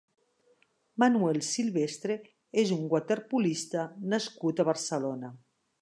Manuel Silvestre és un waterpolista nascut a Barcelona.